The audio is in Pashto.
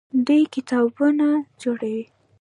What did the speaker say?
دوی کتابتونونه جوړوي.